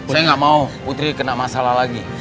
saya nggak mau putri kena masalah lagi